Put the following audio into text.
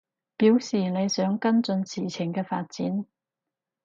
表示你想跟進事情嘅發展